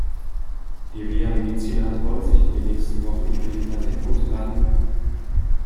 Die Reha-Mediziner wollen sich in den nächsten Wochen ihre Inhalte herunterladen.